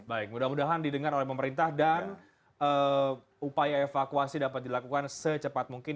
baik mudah mudahan didengar oleh pemerintah dan upaya evakuasi dapat dilakukan secepat mungkin